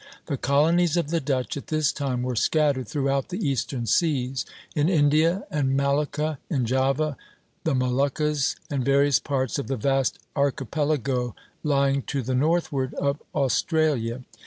The colonies of the Dutch at this time were scattered throughout the eastern seas, in India, in Malacca, in Java, the Moluccas, and various parts of the vast archipelago lying to the northward of Australia.